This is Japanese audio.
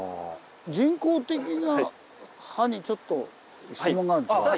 人工的な派にちょっと質問があるんですけど。